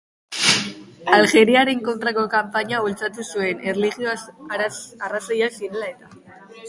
Aljeriaren kontrako kanpaina bultzatu zuen, erlijio-arrazoiak zirela-eta.